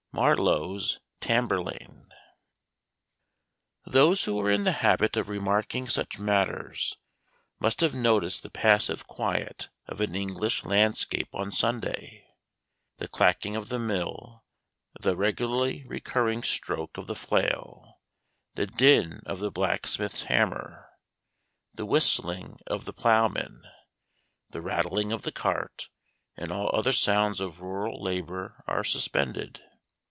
MARLOWE'S TAMBURLAINE. THOSE who are in the habit of remarking such matters must have noticed the passive quiet of an English landscape on Sunday. The clacking of the mill, the regularly recurring stroke of the flail, the din of the blacksmith's hammer, the whistling of the ploughman, the rattling of the cart, and all other sounds of rural labor are suspended.